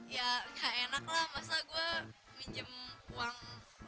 ya nggak enak lah masa gue minjem uang